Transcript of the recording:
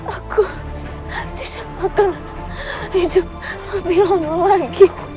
aku tidak sudah kuat lagi